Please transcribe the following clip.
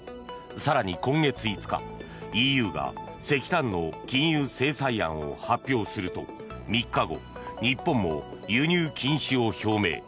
更に今月５日、ＥＵが石炭の禁輸制裁案を発表すると３日後、日本も輸入禁止を表明。